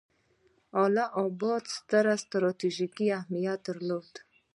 اله اباد ستر ستراتیژیک اهمیت درلود.